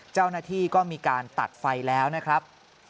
เจ้าหน้าที่ก็มีการตัดไฟแล้วนะครับ